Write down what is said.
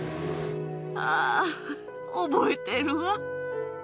ああ、覚えてるわ。